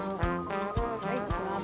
はい行きます。